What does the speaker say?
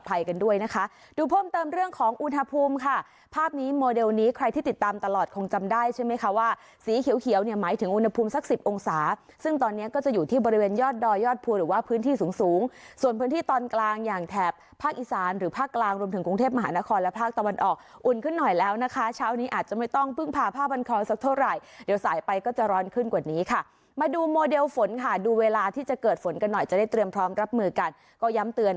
บริเวณยอดดอยยอดพูดหรือว่าพื้นที่สูงส่วนพื้นที่ตอนกลางอย่างแถบภาคอีสานหรือภาคกลางรวมถึงกรุงเทพมหานครและภาคตะวันออกอุ่นขึ้นหน่อยแล้วนะคะเช้านี้อาจจะไม่ต้องพึ่งผ่าผ้าบันครสักเท่าไหร่เดี๋ยวสายไปก็จะร้อนขึ้นกว่านี้ค่ะมาดูโมเดลฝนค่ะดูเวลาที่จะเกิดฝนกันหน่อย